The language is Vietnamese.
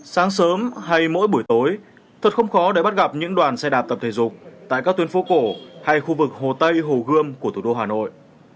sáng sớm hay mỗi buổi tối thật không khó để bắt gặp những đoàn xe đạp tập thể dục tại các tuyến phố cổ hay khu vực hồ tây hồ gươm của thủ đô hà nội